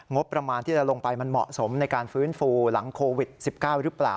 งบประมาณที่จะลงไปมันเหมาะสมในการฟื้นฟูหลังโควิด๑๙หรือเปล่า